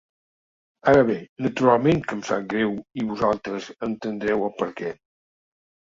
Ara bé, naturalment que em sap greu i vosaltres entendreu el perquè.